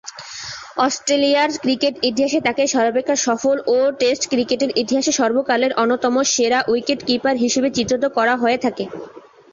অস্ট্রেলিয়ার ক্রিকেট ইতিহাসে তাকে সর্বাপেক্ষা সফল ও টেস্ট ক্রিকেটের ইতিহাসে সর্বকালের অন্যতম সেরা উইকেট-কিপার হিসেবে চিত্রিত করা হয়ে থাকে।